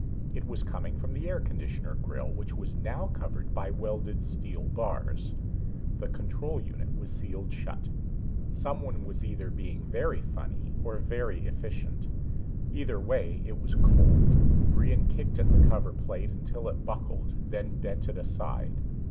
It was coming from the air conditioner grill, which was now covered by welded steel bars. The control unit was sealed shut. Someone was either being very funny or very efficient. Either way, it was cold. Brion kicked at the cover plate until it buckled, then bent it aside.